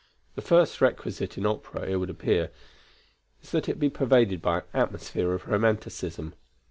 The first requisite in opera, it would appear, is that it be pervaded by an atmosphere of romanticism.